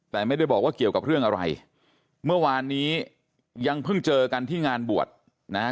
แต่ไม่ได้บอกว่าเกี่ยวกับเรื่องอะไรเมื่อวานนี้ยังเพิ่งเจอกันที่งานบวชนะฮะ